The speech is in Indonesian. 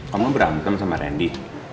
kamu berantem sama randy